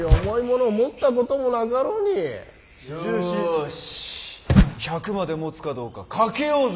よし１００までもつかどうか賭けようぜ。